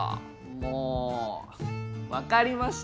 もうわかりました！